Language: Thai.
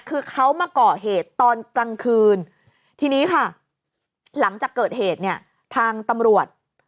คือเขามาก่อเหตุตอนกลางคืนทีนี้ค่ะหลังจากเกิดเหตุเนี่ยทางตำรวจ